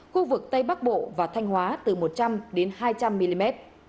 khu vực tây bắc bộ và thanh hóa từ một trăm linh hai trăm linh mm